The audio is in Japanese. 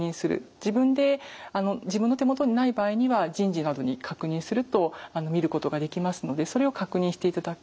自分で自分の手元にない場合には人事などに確認すると見ることができますのでそれを確認していただく。